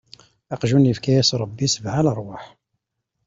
Aqjun ifka-yas Ṛebbi sebɛa leṛwaḥ.